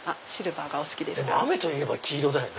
でも雨といえば黄色だよね。